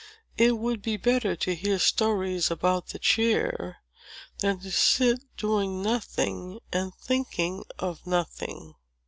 It would be better to hear stories about the chair, than to sit doing nothing, and thinking of nothing."